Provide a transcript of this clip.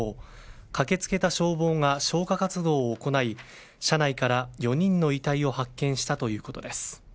駆け付けた消防が消火活動を行い車内から４人の遺体を発見したということです。